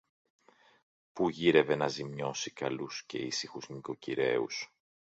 που γύρευε να ζημιώσει καλούς και ήσυχους νοικοκυρέους;